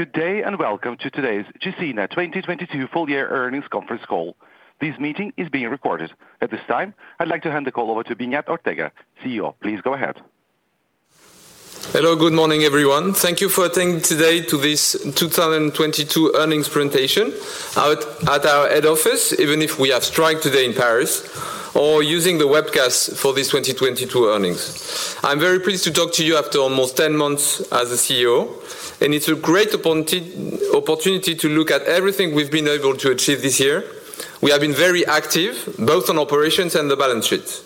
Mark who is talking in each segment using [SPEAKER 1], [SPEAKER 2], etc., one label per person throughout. [SPEAKER 1] Good day and welcome to today's Gecina 2022 full year earnings conference call. This meeting is being recorded. At this time, I'd like to hand the call over to Beñat Ortega, CEO. Please go ahead.
[SPEAKER 2] Hello, good morning, everyone. Thank you for attending today to this 2022 earnings presentation out at our head office, even if we have strike today in Paris, or using the webcast for this 2022 earnings. I'm very pleased to talk to you after almost 10 months as a CEO. It's a great opportunity to look at everything we've been able to achieve this year. We have been very active, both on operations and the balance sheet.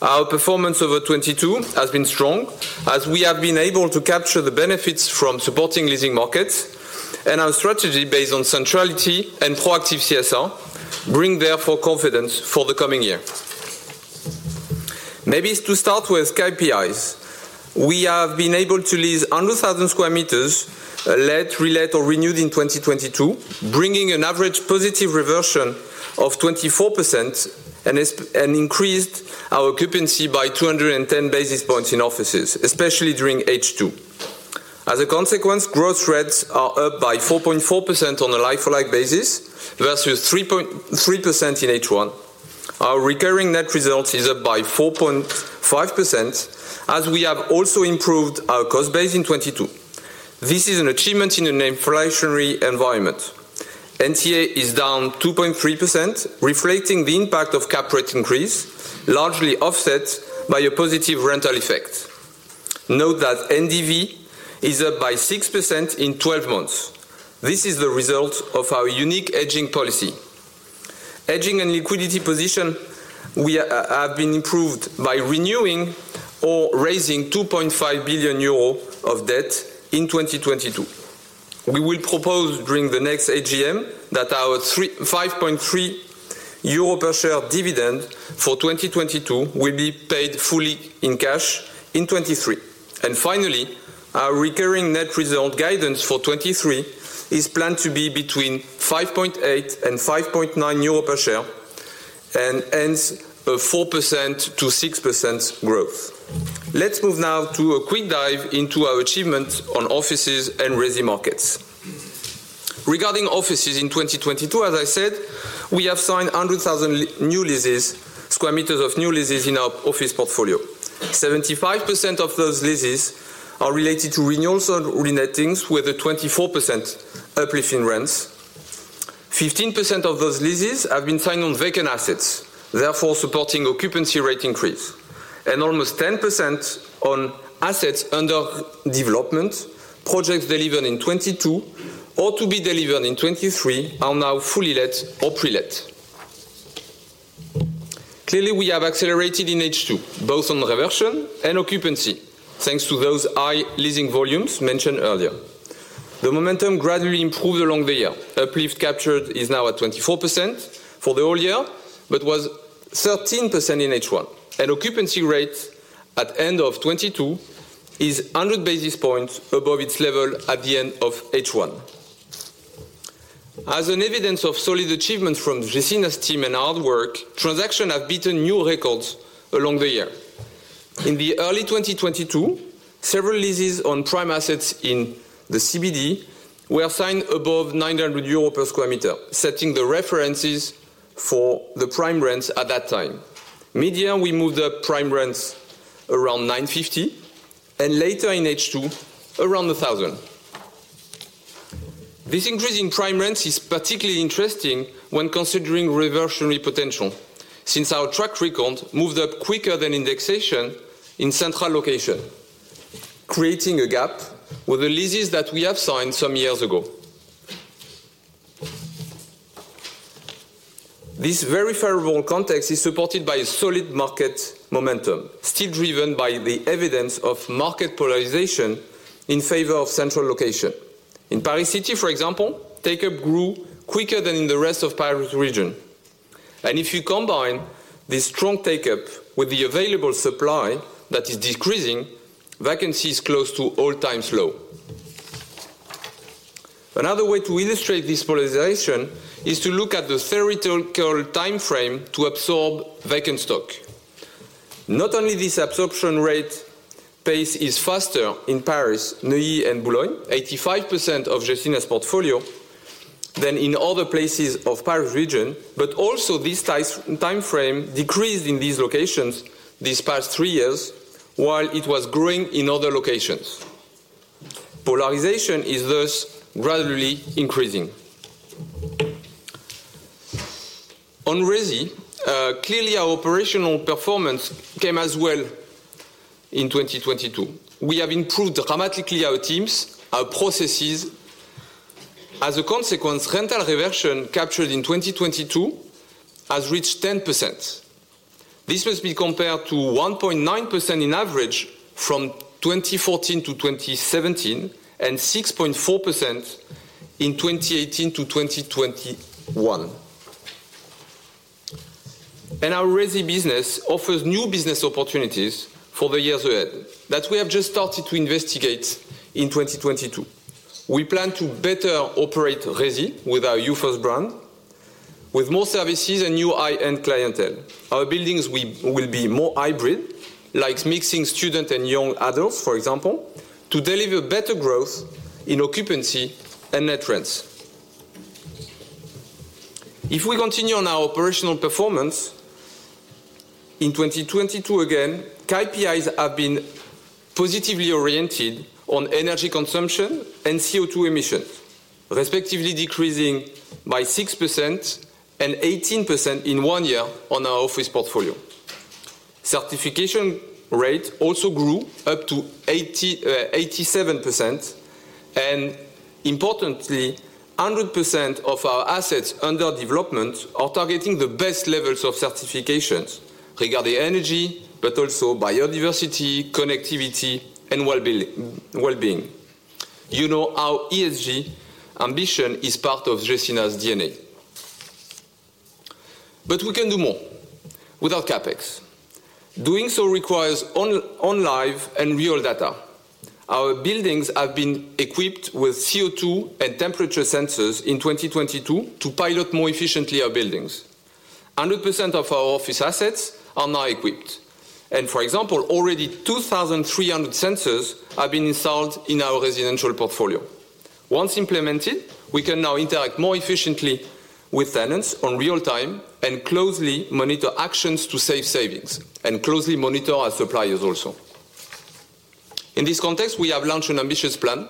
[SPEAKER 2] Our performance over 2022 has been strong as we have been able to capture the benefits from supporting leasing markets. Our strategy based on centrality and proactive CSR bring therefore confidence for the coming year. Maybe it's to start with KPIs. We have been able to lease 100,000 sq m let, relet or renewed in 2022, bringing an average positive reversion of 24% and increased our occupancy by 210 basis points in offices, especially during H2. A consequence, growth rates are up by 4.4% on a like-for-like basis versus 3% in H1. Our recurring net result is up by 4.5% as we have also improved our cost base in 2022. This is an achievement in an inflationary environment. NTA is down 2.3%, reflecting the impact of cap rate increase, largely offset by a positive rental effect. NDV is up by 6% in 12 months. This is the result of our unique hedging policy. Hedging and liquidity position we have been improved by renewing or raising 2.5 billion euro of debt in 2022. We will propose during the next AGM that our 5.3 euro per share dividend for 2022 will be paid fully in cash in 2023. Finally, our recurring net result guidance for 2023 is planned to be between 5.8 and 5.9 euro per share and ends of 4%-6% growth. Let's move now to a quick dive into our achievement on offices and resi markets. Regarding offices in 2022, as I said, we have signed 100,000 new leases, sq m of new leases in our office portfolio. 75% of those leases are related to renewals or relettings with a 24% uplift in rents. 15% of those leases have been signed on vacant assets, therefore supporting occupancy rate increase. Almost 10% on assets under development, projects delivered in 2022 or to be delivered in 2023 are now fully let or pre-let. Clearly, we have accelerated in H2, both on reversion and occupancy, thanks to those high leasing volumes mentioned earlier. The momentum gradually improved along the year. Uplift captured is now at 24% for the whole year, but was 13% in H1. Occupancy rate at end of 2022 is 100 basis points above its level at the end of H1. As an evidence of solid achievement from Gecina's team and hard work, transaction have beaten new records along the year. In the early 2022, several leases on prime assets in the CBD were signed above 900 euros per sq m, setting the references for the prime rents at that time. Mid-year, we moved up prime rents around 950, and later in H2, around 1,000. This increase in prime rents is particularly interesting when considering reversionary potential, since our track record moved up quicker than indexation in central location, creating a gap with the leases that we have signed some years ago. This very favorable context is supported by a solid market momentum, still driven by the evidence of market polarization in favor of central location. In Paris city, for example, take-up grew quicker than in the rest of Paris region. If you combine this strong take-up with the available supply that is decreasing, vacancy is close to all-times low. Another way to illustrate this polarization is to look at the theoretical timeframe to absorb vacant stock. Not only this absorption rate pace is faster in Paris, Neuilly and Boulogne, 85% of Gecina's portfolio, than in other places of Paris region, but also this timeframe decreased in these locations these past three years while it was growing in other locations. Polarization is thus gradually increasing. On resi, clearly our operational performance came as well in 2022. We have improved dramatically our teams, our processes. As a consequence, rental reversion captured in 2022 has reached 10%. This must be compared to 1.9% in average from 2014 to 2017, and 6.4% in 2018 to 2021. Our resi business offers new business opportunities for the years ahead that we have just started to investigate in 2022. We plan to better operate resi with our YouFirst brand. With more services and new high-end clientele, our buildings will be more hybrid, like mixing student and young adults, for example, to deliver better growth in occupancy and net rents. If we continue on our operational performance, in 2022 again, KPIs have been positively oriented on energy consumption and CO2 emissions, respectively decreasing by 6% and 18% in one year on our office portfolio. Certification rate also grew up to 87% and importantly, 100% of our assets under development are targeting the best levels of certifications regarding energy, but also biodiversity, connectivity, and well-being. You know, our ESG ambition is part of Gecina's DNA. We can do more without CapEx. Doing so requires on live and real data. Our buildings have been equipped with CO2 and temperature sensors in 2022 to pilot more efficiently our buildings. 100% of our office assets are now equipped. For example, already 2,300 sensors have been installed in our residential portfolio. Once implemented, we can now interact more efficiently with tenants on real-time and closely monitor actions to save savings and closely monitor our suppliers also. In this context, we have launched an ambitious plan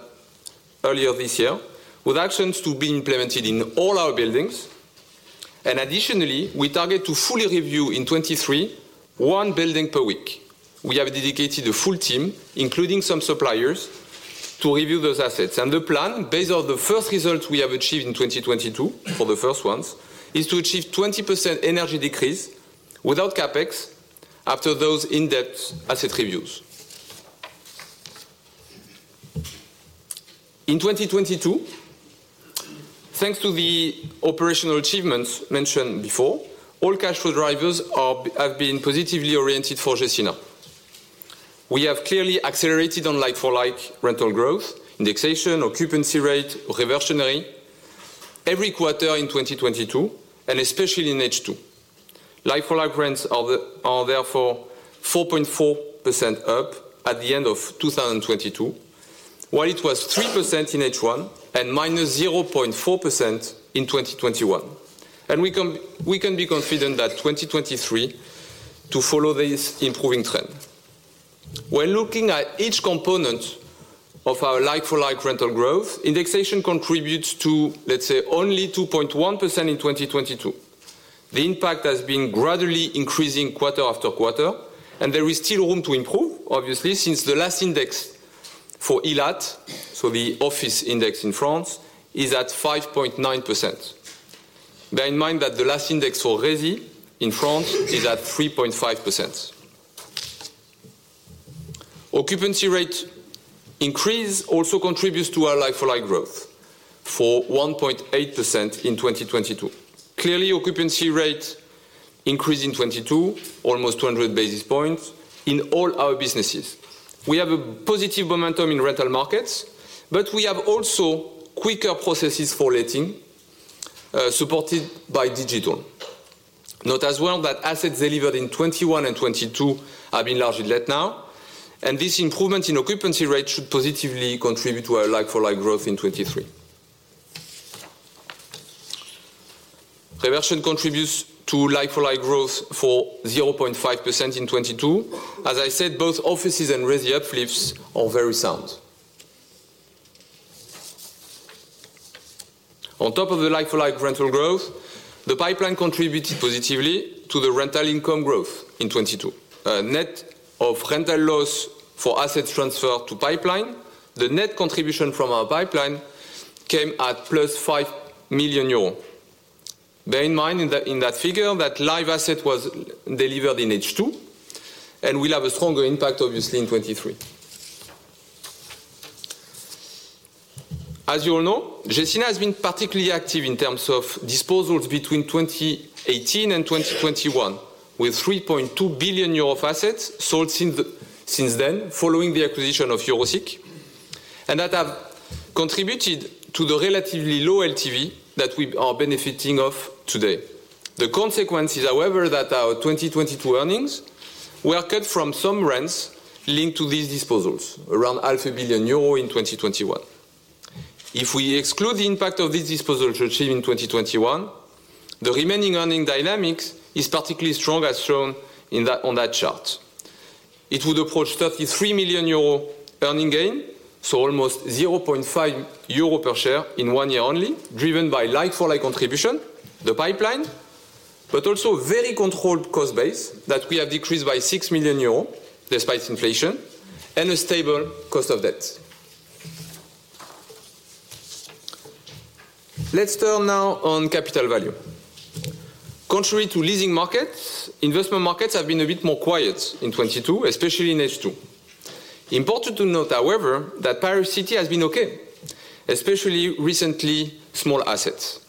[SPEAKER 2] earlier this year with actions to be implemented in all our buildings. Additionally, we target to fully review in 2023, 1 building per week. We have dedicated a full team, including some suppliers, to review those assets. The plan based on the first results we have achieved in 2022, for the first ones, is to achieve 20% energy decrease without CapEx after those in-depth asset reviews. In 2022, thanks to the operational achievements mentioned before, all cash flow drivers have been positively oriented for Gecina. We have clearly accelerated on like-for-like rental growth, indexation, occupancy rate, reversionary every quarter in 2022, and especially in H2. Like-for-like rents are therefore 4.4% up at the end of 2022, while it was 3% in H1 and -0.4% in 2021. We can be confident that 2023 to follow this improving trend. When looking at each component of our like-for-like rental growth, indexation contributes to, let's say, only 2.1% in 2022. The impact has been gradually increasing quarter after quarter, there is still room to improve, obviously, since the last index for ILAT, so the office index in France, is at 5.9%. Bear in mind that the last index for resi in France is at 3.5%. Occupancy rate increase also contributes to our like-for-like growth for 1.8% in 2022. Clearly, occupancy rate increased in 22 almost 200 basis points in all our businesses. We have a positive momentum in rental markets, but we have also quicker processes for letting, supported by digital. Note as well that assets delivered in 21 and 22 have been largely let now, and this improvement in occupancy rate should positively contribute to our like-for-like growth in 23. Reversion contributes to like-for-like growth for 0.5% in 22. As I said, both offices and resi uplifts are very sound. On top of the like-for-like rental growth, the pipeline contributed positively to the rental income growth in 22. A net of rental loss for assets transferred to pipeline, the net contribution from our pipeline came at plus 5 million euros. Bear in mind in that figure that L1VE asset was delivered in H2 and will have a stronger impact, obviously, in 2023. As you all know, Gecina has been particularly active in terms of disposals between 2018 and 2021, with 3.2 billion euro of assets sold since then, following the acquisition of Eurosic, and that have contributed to the relatively low LTV that we are benefiting of today. The consequence is, however, that our 2022 earnings were cut from some rents linked to these disposals, around half a billion EUR in 2021. If we exclude the impact of this disposal achieved in 2021, the remaining earning dynamics is particularly strong as shown on that chart. It would approach 33 million euro earning gain, so almost 0.5 euro per share in 1 year only, driven by like-for-like contribution, the pipeline, but also very controlled cost base that we have decreased by 6 million euros despite inflation and a stable cost of debt. Let's turn now on capital value. Contrary to leasing markets, investment markets have been a bit more quiet in 2022, especially in H2. Important to note, however, that Paris city has been okay, especially recently, small assets.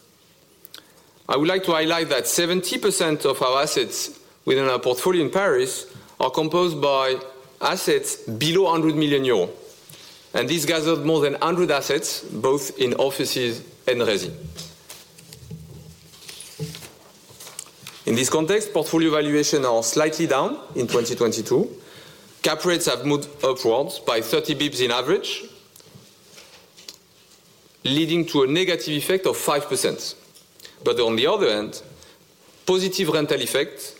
[SPEAKER 2] I would like to highlight that 70% of our assets within our portfolio in Paris are composed by assets below 100 million euros. This gathered more than 100 assets, both in offices and resi. In this context, portfolio valuation are slightly down in 2022. cap rates have moved upwards by 30 basis points in average, leading to a negative effect of 5%. On the other hand, positive rental effect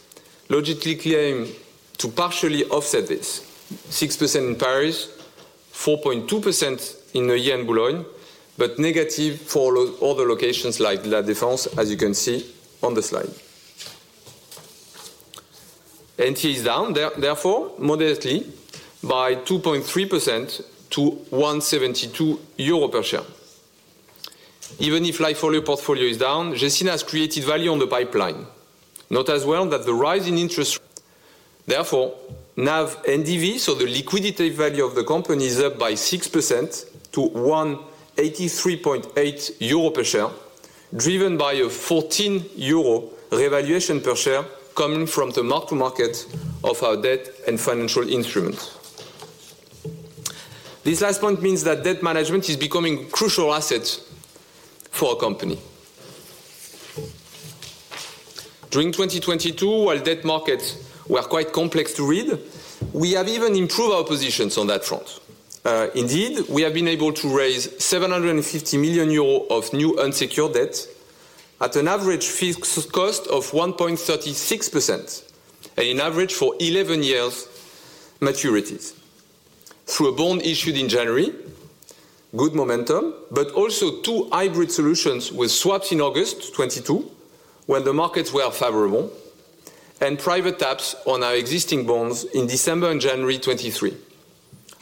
[SPEAKER 2] logically came to partially offset this. 6% in Paris, 4.2% in Neuilly and Boulogne, but negative for all the locations like La Défense, as you can see on the slide. NT is down therefore moderately by 2.3% to 172 euro per share. Even if like-for-like portfolio is down, Gecina has created value on the pipeline. Note as well that the rise in interest, therefore, NAV NDV, so the liquidity value of the company is up by 6% to EUR 183.8 per share, driven by a 14 euro revaluation per share coming from the mark to market of our debt and financial instruments. This last point means that debt management is becoming crucial asset for a company. During 2022, while debt markets were quite complex to read, we have even improved our positions on that front. Indeed, we have been able to raise 750 million euro of new unsecured debt at an average fixed cost of 1.36% in average for 11 years maturities. Through a bond issued in January, good momentum, but also two hybrid solutions with swaps in August 2022, when the markets were favorable, and private taps on our existing bonds in December and January 2023.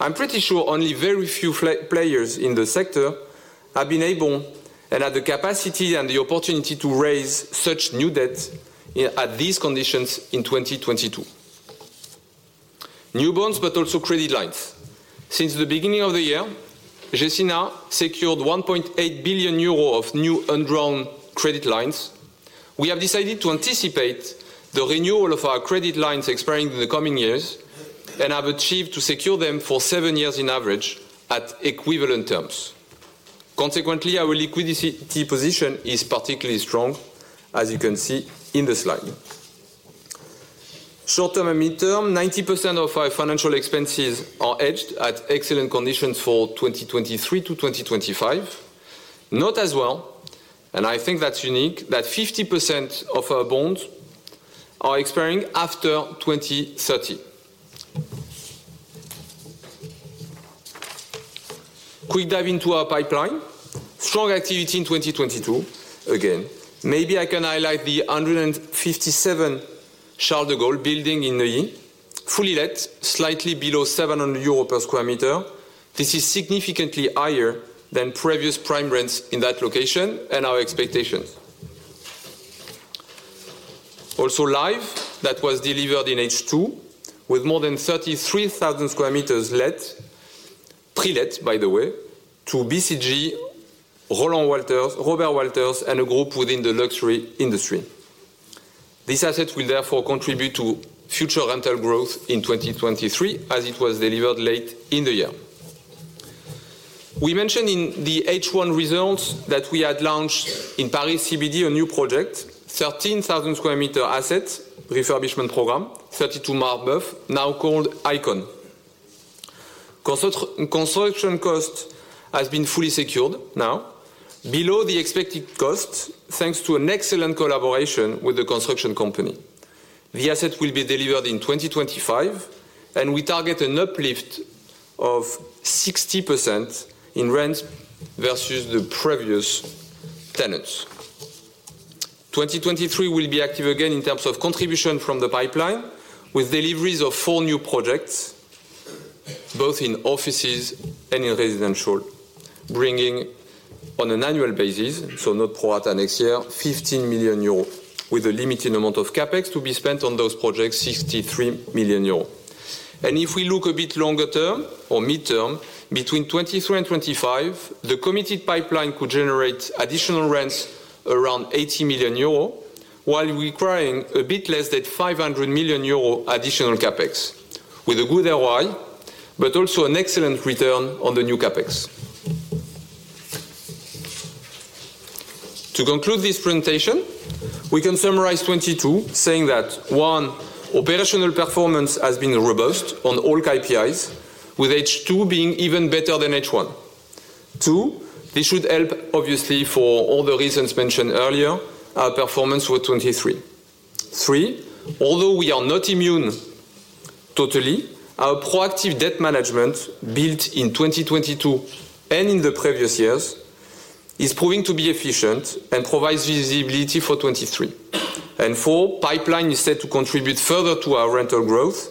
[SPEAKER 2] I'm pretty sure only very few players in the sector have been able and have the capacity and the opportunity to raise such new debts at these conditions in 2022. New bonds, also credit lines. Since the beginning of the year, Gecina secured 1.8 billion euro of new undrawn credit lines. We have decided to anticipate the renewal of our credit lines expiring in the coming years and have achieved to secure them for 7 years in average at equivalent terms. Our liquidity position is particularly strong, as you can see in the slide. Short-term and mid-term, 90% of our financial expenses are hedged at excellent conditions for 2023 to 2025. Note as well, and I think that's unique, that 50% of our bonds are expiring after 2030. Quick dive into our pipeline. Strong activity in 2022. Maybe I can highlight the 157 Charles de Gaulle building in Neuilly, fully let slightly below 700 euros per sq m. This is significantly higher than previous prime rents in that location and our expectations. l1ve, that was delivered in H2, with more than 33,000 sq m let, pre-let by the way, to BCG, Roland Walters, Robert Walters, and a group within the luxury industry. This asset will therefore contribute to future rental growth in 2023 as it was delivered late in the year. We mentioned in the H1 results that we had launched in Paris CBD a new project, 13,000 sq m asset refurbishment program, 32 Marbeuf, now called Icône. Construction cost has been fully secured now, below the expected cost, thanks to an excellent collaboration with the construction company. The asset will be delivered in 2025, and we target an uplift of 60% in rent versus the previous tenants. 2023, we'll be active again in terms of contribution from the pipeline with deliveries of four new projects, both in offices and in residential, bringing on an annual basis, so not pro rata next year, 15 million euros with a limited amount of CapEx to be spent on those projects, 63 million euros. If we look a bit longer term or mid-term, between 2023 and 2025, the committed pipeline could generate additional rents around 80 million euro while requiring a bit less than 500 million euro additional CapEx with a good ROI, but also an excellent return on the new CapEx. To conclude this presentation, we can summarize 2022 saying that, 1, operational performance has been robust on all KPIs, with H2 being even better than H1. 2, this should help, obviously, for all the reasons mentioned earlier, our performance for 2023. Three, although we are not immune totally, our proactive debt management built in 2022 and in the previous years is proving to be efficient and provides visibility for 2023. Four, pipeline is set to contribute further to our rental growth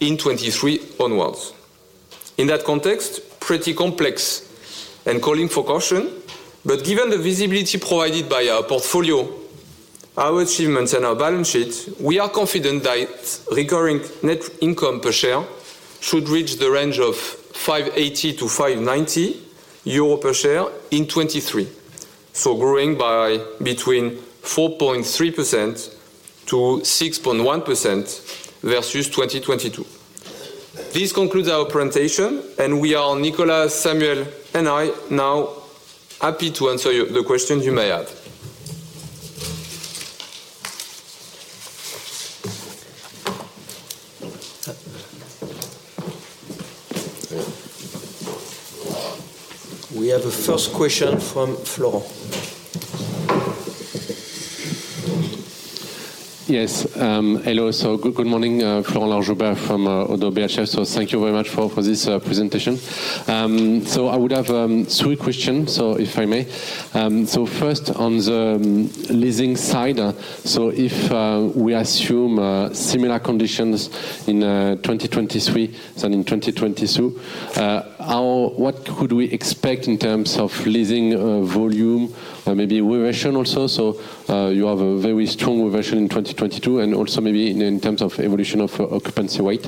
[SPEAKER 2] in 2023 onwards. In that context, pretty complex and calling for caution, but given the visibility provided by our portfolio, our achievements and our balance sheet, we are confident that recurring net income per share should reach the range of 5.80-5.90 euro per share in 2023. Growing by between 4.3%-6.1% versus 2022. This concludes our presentation, and we are Nicolas, Samuel, and I now happy to answer the questions you may have. We have a first question from Florent.
[SPEAKER 3] Yes. Hello. Good morning. Florent Joubert from ODDO BHF. Thank you very much for this presentation. I would have 3 questions, if I may. First on the leasing side. If we assume similar conditions in 2023 than in 2022, what could we expect in terms of leasing volume or maybe reversion also? You have a very strong reversion in 2022 and also maybe in terms of evolution of occupancy rate.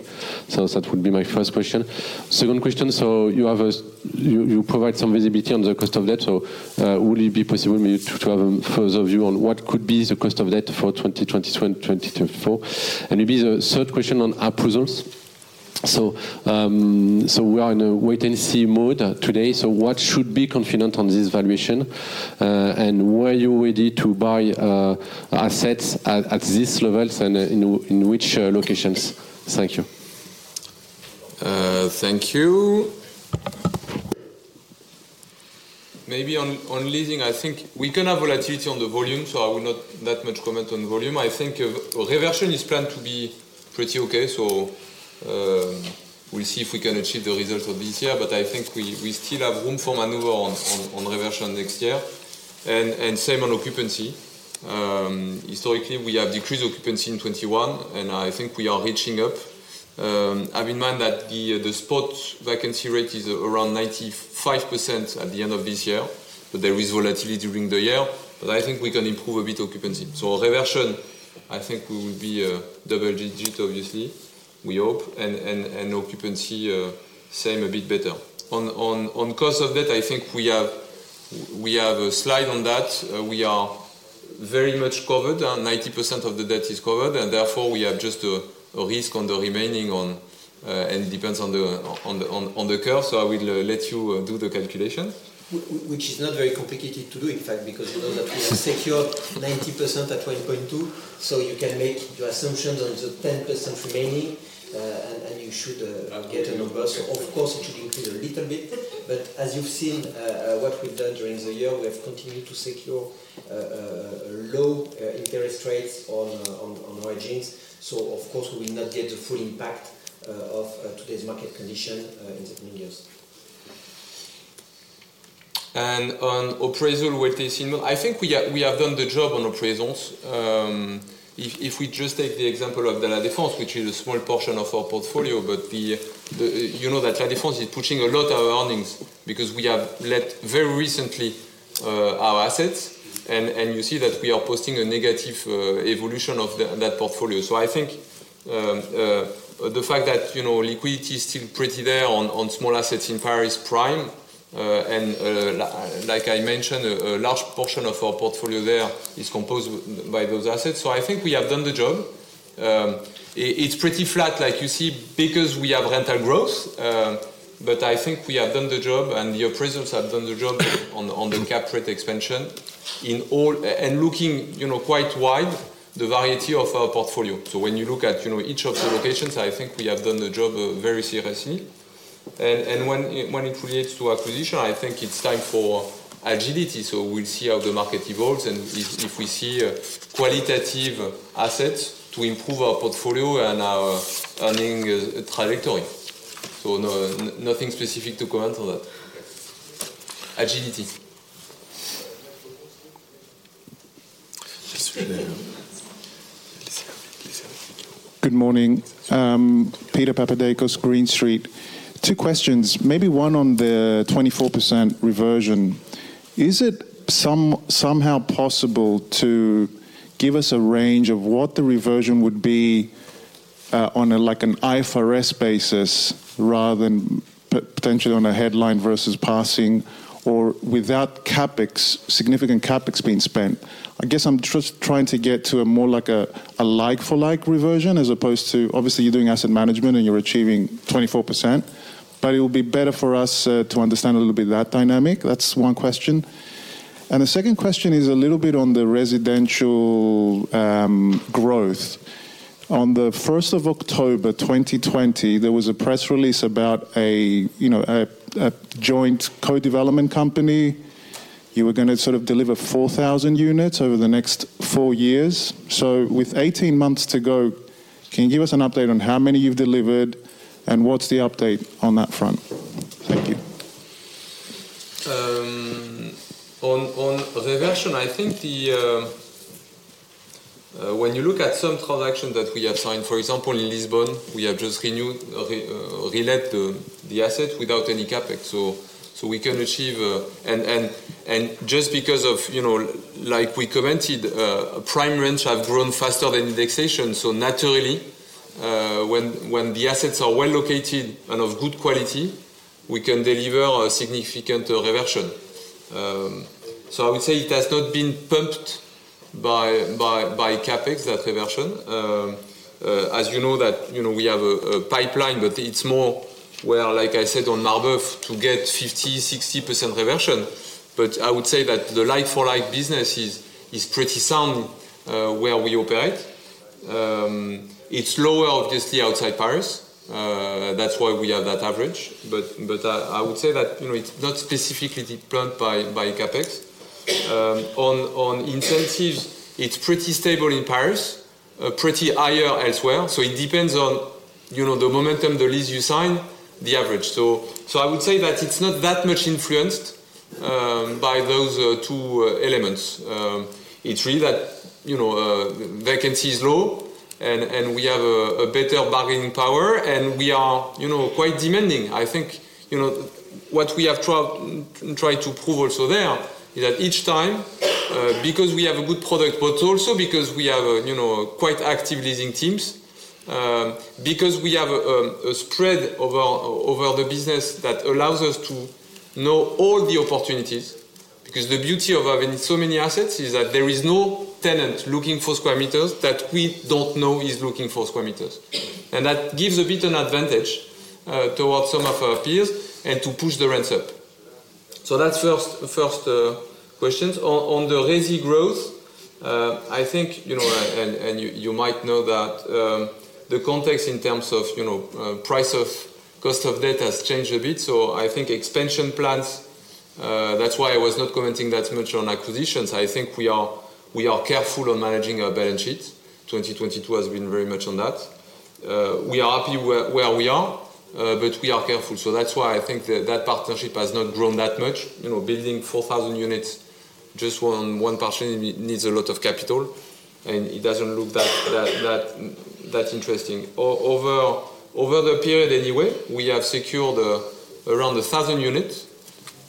[SPEAKER 3] That would be my first question. Second question, you provide some visibility on the cost of debt. Would it be possible maybe to have a further view on what could be the cost of debt for 2022 and 2024? Maybe the third question on appraisals. We are in a wait and see mode today. What should we be confident on this valuation? Were you ready to buy assets at these levels and in which locations? Thank you.
[SPEAKER 2] Thank you. Maybe on leasing, I think we can have volatility on the volume, so I will not that much comment on volume. I think reversion is planned to be pretty okay. We'll see if we can achieve the results of this year. I think we still have room for maneuver on reversion next year and same on occupancy. Historically, we have decreased occupancy in 21, and I think we are hitching up. Have in mind that the spot vacancy rate is around 95% at the end of this year, but there is volatility during the year, but I think we can improve a bit occupancy. Reversion, I think we will be double digit, obviously, we hope. Occupancy, same, a bit better. On cost of debt, I think we have a slide on that. We are very much covered. 90% of the debt is covered. Therefore we have just a risk on the remaining on, and it depends on the curve. I will let you do the calculation.
[SPEAKER 4] Which is not very complicated to do, in fact, because you know that we have secured 90% at 1.2. You can make the assumptions on the 10% remaining, and you should get a number. Of course it should increase a little bit. As you've seen, what we've done during the year, we have continued to secure low interest rates on origins. Of course we will not get the full impact of today's market condition in the coming years.
[SPEAKER 2] On appraisal, wait and see. I think we have done the job on appraisals. If we just take the example of La Défense, which is a small portion of our portfolio, but the You know that La Défense is pushing a lot our earnings because we have let very recently our assets and you see that we are posting a negative evolution of that portfolio. I think the fact that, you know, liquidity is still pretty there on small assets in Paris Prime. Like I mentioned, a large portion of our portfolio there is composed by those assets. I think we have done the job. It's pretty flat, like you see, because we have rental growth. I think we have done the job and the appraisals have done the job on the cap rate expansion in all. And looking, you know, quite wide the variety of our portfolio. When you look at, you know, each of the locations, I think we have done the job very seriously. When it relates to acquisition, I think it's time for agility. We'll see how the market evolves and if we see a qualitative asset to improve our portfolio and our earning trajectory. No, nothing specific to comment on that.
[SPEAKER 3] Okay.
[SPEAKER 2] Agility.
[SPEAKER 5] Yes, we do. Lisa.
[SPEAKER 6] Good morning. Peter Papadakos, Green Street. Two questions, maybe one on the 24% reversion. Is it somehow possible to give us a range of what the reversion would be on an IFRS basis rather than potentially on a headline versus passing or without CapEx, significant CapEx being spent? I guess I'm just trying to get to a more like a like-for-like reversion as opposed to obviously you're doing asset management and you're achieving 24%. It will be better for us to understand a little bit of that dynamic. That's one question. The second question is a little bit on the residential growth. On the first of October 2020, there was a press release about a joint co-development company. You were gonna sort of deliver 4,000 units over the next 4 years. With 18 months to go, can you give us an update on how many you've delivered and what's the update on that front? Thank you.
[SPEAKER 2] On reversion, I think when you look at some transaction that we have signed, for example, in Lisbon, we have just renewed or relet the asset without any CapEx. We can achieve. Just because of, you know, like we commented, prime rents have grown faster than indexation. Naturally, when the assets are well located and of good quality, we can deliver a significant reversion. I would say it has not been pumped by CapEx, that reversion. As you know that, you know, we have a pipeline, it's more, well, like I said on Marbeuf to get 50%, 60% reversion. I would say that the like-for-like business is pretty sound where we operate. It's lower obviously outside Paris, that's why we are that average. I would say that, you know, it's not specifically deployed by CapEx. On incentives, it's pretty stable in Paris, pretty higher as well. It depends on, you know, the momentum, the lease you sign, the average. I would say that it's not that much influenced by those two elements. It's really that, you know, vacancy is low and we have a better bargaining power, and we are, you know, quite demanding. I think, you know, what we have tried to prove also there is that each time, because we have a good product, but also because we have, you know, quite active leasing teams, because we have a spread over the business that allows us to know all the opportunities. The beauty of having so many assets is that there is no tenant looking for sq m that we don't know is looking for sq m. That gives a bit an advantage towards some of our peers and to push the rents up. That's first questions. On the resi growth, I think, you know, and you might know that the context in terms of, you know, price of cost of debt has changed a bit. I think expansion plans, that's why I was not commenting that much on acquisitions. I think we are careful on managing our balance sheet. 2022 has been very much on that. We are happy where we are, but we are careful. That's why I think that partnership has not grown that much. You know, building 4,000 units just on one partnership needs a lot of capital, and it doesn't look that interesting. Over the period anyway, we have secured around 1,000 units,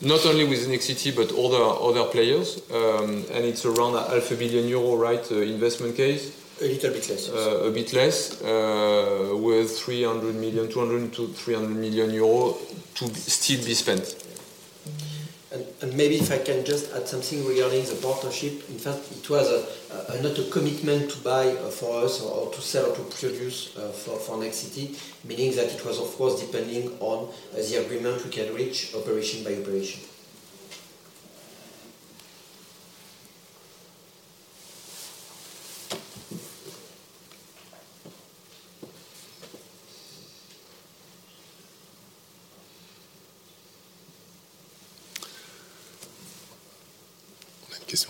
[SPEAKER 2] not only with Nexity, but other players. It's around a half a billion EUR, right, investment case.
[SPEAKER 4] A little bit less.
[SPEAKER 2] A bit less, with 300 million, 200 million-300 million euro to still be spent.
[SPEAKER 4] Maybe if I can just add something regarding the partnership. In fact, it was a not a commitment to buy for us or to sell or to produce for Nexity, meaning that it was of course depending on the agreement we can reach operation by operation.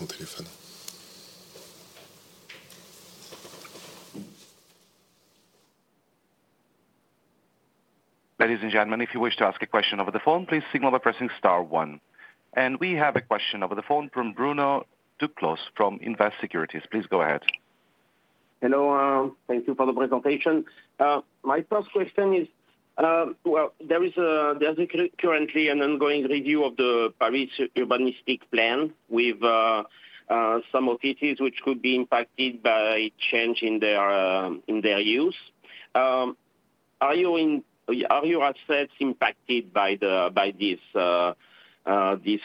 [SPEAKER 5] We have a question on the phone.
[SPEAKER 1] Ladies and gentlemen, if you wish to ask a question over the phone, please signal by pressing star one. We have a question over the phone from Bruno Duclos from Invest Securities. Please go ahead.
[SPEAKER 7] Hello. Thank you for the presentation. My first question is, well, there's currently an ongoing review of the Paris urbanistic plan with some offices which could be impacted by change in their use. Are your assets impacted by this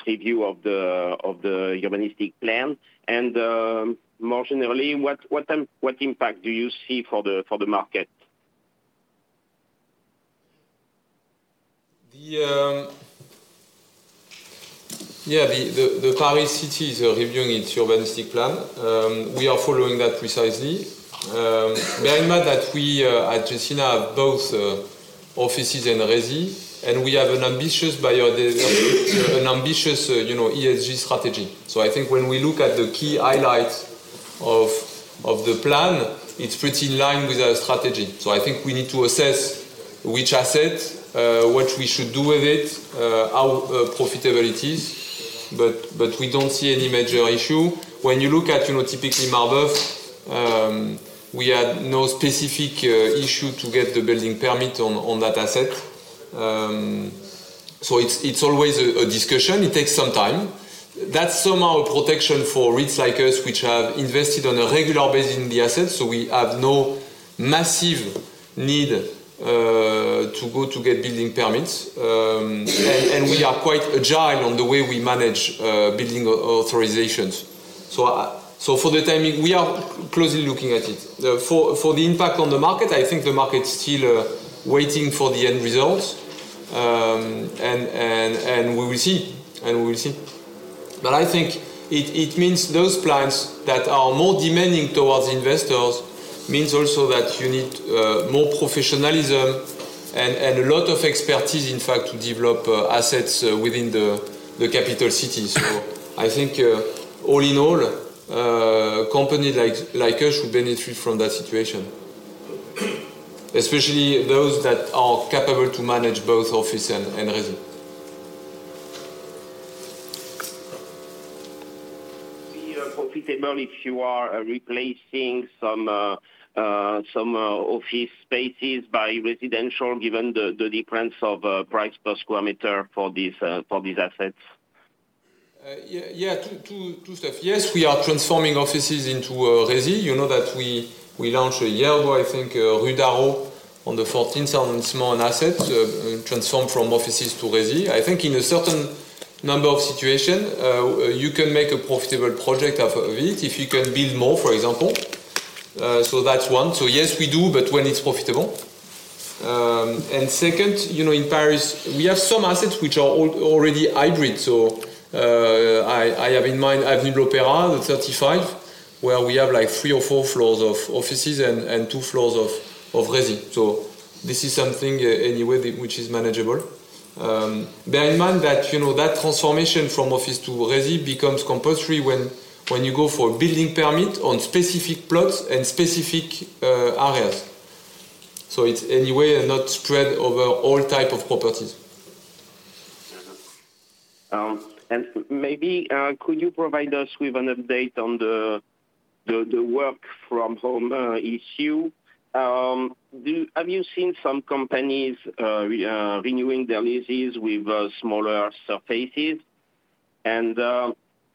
[SPEAKER 7] review of the urbanistic plan? More generally, what impact do you see for the market?
[SPEAKER 2] Yeah, the Paris city is reviewing its urbanistic plan. We are following that precisely. Bear in mind that we at Gecina have both offices and resi, and we have an ambitious, you know, ESG strategy. I think when we look at the key highlights of the plan, it's pretty in line with our strategy. I think we need to assess which assets, what we should do with it, how profitable it is. We don't see any major issue. When you look at, you know, typically Marbeuf, we had no specific issue to get the building permit on that asset. It's always a discussion. It takes some time. That's somehow a protection for REITs like us, which have invested on a regular basis in the assets. We have no massive need to go to get building permits. We are quite agile on the way we manage building authorizations. For the timing, we are closely looking at it. For the impact on the market, I think the market's still waiting for the end results. We will see. I think it means those plans that are more demanding towards investors means also that you need more professionalism and a lot of expertise, in fact, to develop assets within the capital city. I think, all in all, a company like us should benefit from that situation, especially those that are capable to manage both office and resi.
[SPEAKER 7] Be profitable if you are replacing some office spaces by residential, given the difference of price per sq m for these assets?
[SPEAKER 2] Yeah, yeah. 2 stuff. Yes, we are transforming offices into resi. You know that we launched a year ago, I think Rue d'Arcole on the 14th small and assets transformed from offices to resi. I think in a certain number of situation, you can make a profitable project of it if you can build more, for example. That's one. Yes, we do, but when it's profitable. Second, you know, in Paris, we have some assets which are already hybrid. I have in mind Avenue de l'Opera, the 35, where we have like 3 or 4 floors of offices and 2 floors of resi. This is something anyway that which is manageable. Bear in mind that, you know, that transformation from office to resi becomes compulsory when you go for building permit on specific plots and specific areas. It's anyway not spread over all type of properties.
[SPEAKER 7] Maybe, could you provide us with an update on the, the work from home issue? Have you seen some companies renewing their leases with smaller surfaces?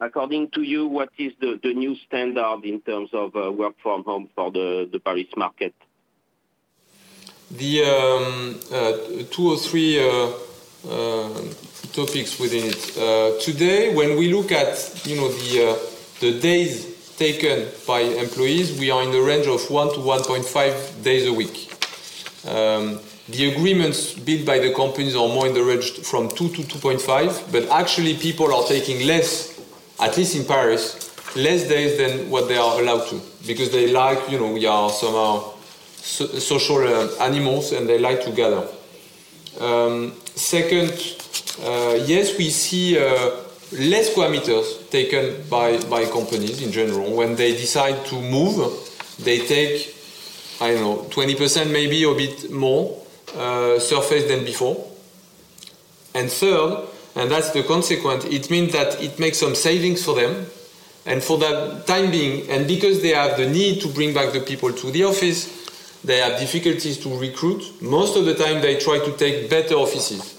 [SPEAKER 7] According to you, what is the new standard in terms of work from home for the Paris market?
[SPEAKER 2] The two or three topics within it. Today, when we look at, you know, the days taken by employees, we are in the range of 1 to 1.5 days a week. The agreements built by the companies are more in the range from 2 to 2.5. Actually, people are taking less, at least in Paris, less days than what they are allowed to. Because they like, you know, we are somehow social animals, and they like to gather. Second, yes, we see less parameters taken by companies in general. When they decide to move, they take, I don't know, 20% maybe or a bit more surface than before. Third, and that's the consequence, it means that it makes some savings for them. For that time being, and because they have the need to bring back the people to the office, they have difficulties to recruit. Most of the time, they try to take better offices.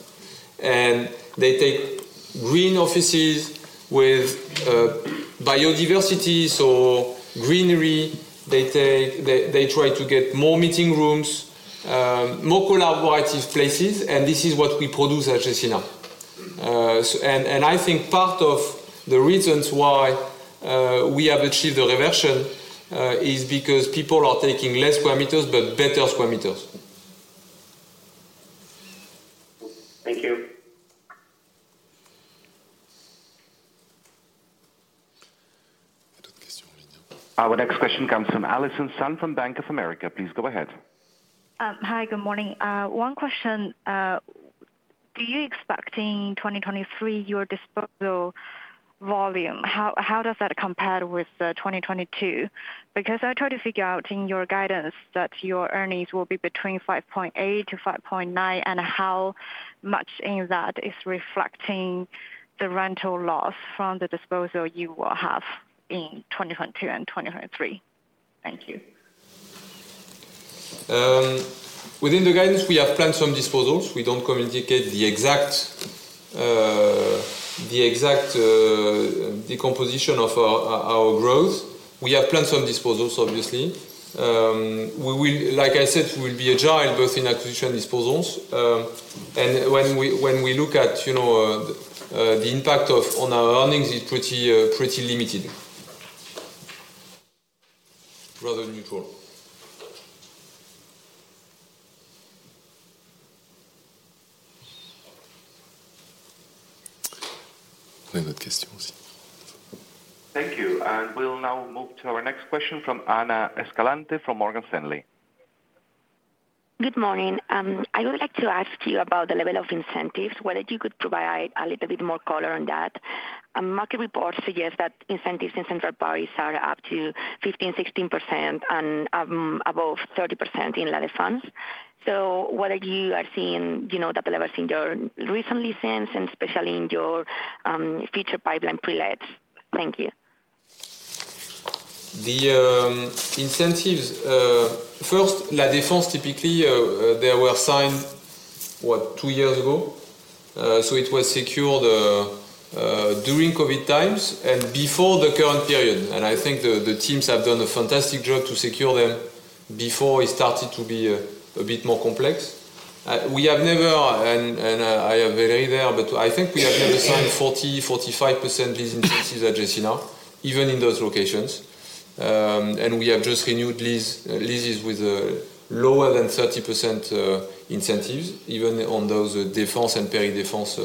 [SPEAKER 2] They take green offices with biodiversities or greenery. They try to get more meeting rooms, more collaborative places, and this is what we produce at Gecina. I think part of the reasons why we have achieved a reversion, is because people are taking less parameters but better parameters.
[SPEAKER 7] Thank you.
[SPEAKER 1] Our next question comes from Allison Sun from Bank of America. Please go ahead.
[SPEAKER 8] Hi, good morning. One question. Do you expect in 2023 your disposal volume, how does that compare with 2022? I try to figure out in your guidance that your earnings will be between 5.8-5.9, and how much in that is reflecting the rental loss from the disposal you will have in 2022 and 2023. Thank you.
[SPEAKER 2] Within the guidance, we have planned some disposals. We don't communicate the exact decomposition of our growth. We have planned some disposals, obviously. Like I said, we'll be agile both in acquisition disposals. When we, when we look at, you know, the impact of on our earnings is pretty limited. Rather neutral. Thank you. We'll now move to our next question from Jaime Escribano from Morgan Stanley.
[SPEAKER 8] Good morning. I would like to ask you about the level of incentives. Whether you could provide a little bit more color on that? Market reports suggest that incentives in Central Paris are up to 15%-16% and above 30% in La Défense. Whether you are seeing, you know, that level in your recent lease-ins and especially in your future pipeline prelets? Thank you.
[SPEAKER 2] The incentives, first La Défense, typically, they were signed, what, two years ago. It was secured during COVID times and before the current period. I think the teams have done a fantastic job to secure them before it started to be a bit more complex. We have never, and, I agree there, but I think we have never signed 40%-45% lease incentives at Gecina, even in those locations. We have just renewed leases with lower than 30% incentives, even on those Defense and Peri-Defense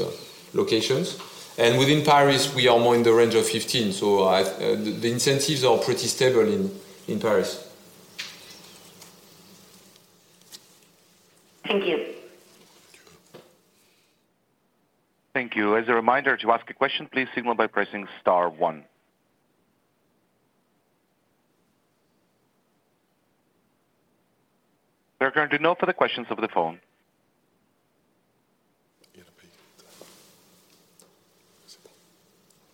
[SPEAKER 2] locations. Within Paris, we are more in the range of 15%. The incentives are pretty stable in Paris.
[SPEAKER 8] Thank you.
[SPEAKER 1] Thank you. As a reminder, to ask a question, please signal by pressing star one. There are currently no further questions over the phone.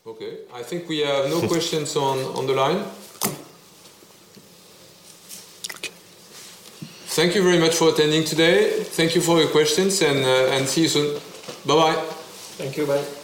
[SPEAKER 2] Okay. I think we have no questions on the line. Okay. Thank you very much for attending today. Thank you for your questions and see you soon. Bye-bye.
[SPEAKER 4] Thank you. Bye.